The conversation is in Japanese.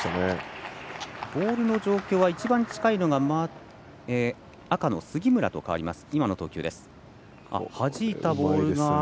ボールの状況は一番近いのが赤の杉村と変わります。